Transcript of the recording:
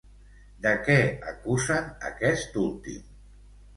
De què acusen aquest últim?